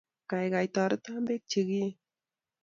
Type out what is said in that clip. Gaigai, toreto beek cheekiie